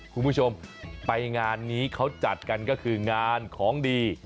คุณผู้ชมไปงานนี้เขาจัดกันก็คืองานของดี